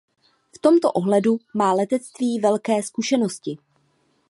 V tomto ohledu má letectví velké zkušenosti.